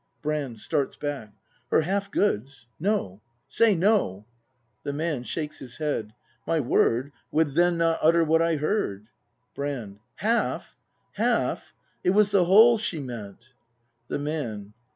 Brand. [Starts back.] Her half goods ! No ! Say no ! The Man. [Shakes his head.] Would then not utter what I heard. My word Brand. Half! Half! It was the whole she meant! The Man.